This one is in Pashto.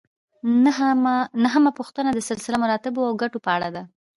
نهمه پوښتنه د سلسله مراتبو او ګټو په اړه ده.